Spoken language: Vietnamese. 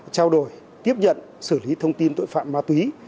trao đổi tiếp nhận xử lý thông tin tội phạm ma túy